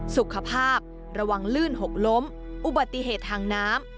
สุขภาพระวังลื่นหกล้มอุบัติเหตุทางน้ำ